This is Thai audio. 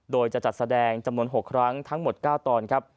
โดยจะจัดแสดงจำนวน๖ครั้งทั้งหมด๙ตอนครับ